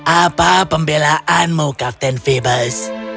apa pembelaanmu kapten phoebus